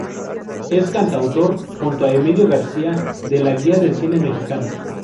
Es coautor, junto a Emilio García, de "La guía del cine mexicano.